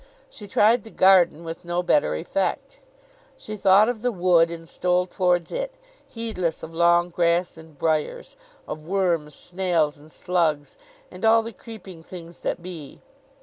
She tried the garden with no better effect. She thought of the wood, and stole towards it, heedless of long grass and briers: of worms, snails, and slugs, and all the creeping things that be.